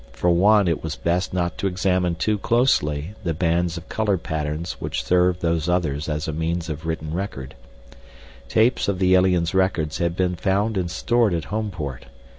For one, it was best not to examine too closely the bands of color patterns which served Those Others as a means of written record. Tapes of the aliens' records had been found and stored at Homeport.